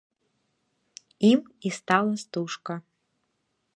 Ім і стала стужка.